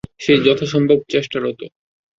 সে যথাসম্ভব চেষ্টারত।